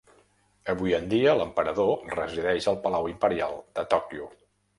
Avui en dia, l'emperador resideix al Palau Imperial de Tòquio.